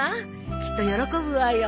きっと喜ぶわよ。